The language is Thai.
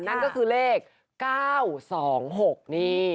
นั่นก็คือเลข๙๒๖นี่